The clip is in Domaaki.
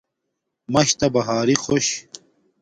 مَشتݳ بہݳرݵ خݸش.